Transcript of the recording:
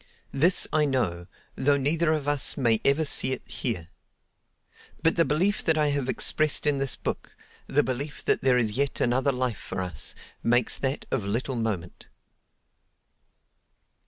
This I know, though neither of us may ever see it here. But the belief that I have expressed in this book—the belief that there is yet another life for us—makes that of little moment.